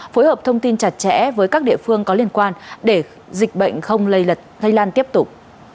phối hợp thông tin chặt chẽ với các địa phương có liên quan để dịch bệnh không lây lật lây lan tiếp tục